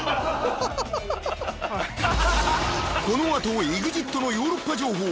［この後ＥＸＩＴのヨーロッパ情報］